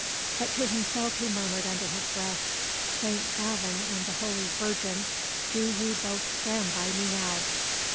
But to himself he murmured under his breath: "St. Bavon and the Holy Virgin, do ye both stand by me now!"